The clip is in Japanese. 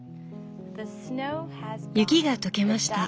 「雪が解けました！